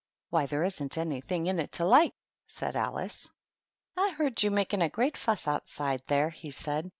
" Why, there isn't anything in it to like I" said Alice. "I heard you making a great fuss outside there," he said.